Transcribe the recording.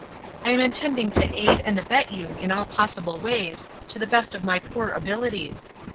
I am intending to aid and abet you in all possible ways to the best of my poor abilities.